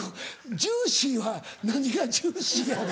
ジューシーは何がジューシーやねん？